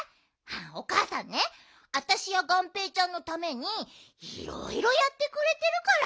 おかあさんねあたしやがんぺーちゃんのためにいろいろやってくれてるから。